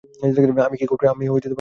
আমি কী করিব?